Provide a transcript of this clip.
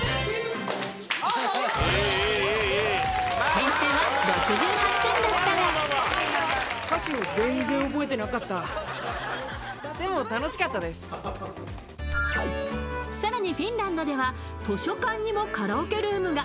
点数は６８点だったが更にフィンランドでは図書館にもカラオケルームが。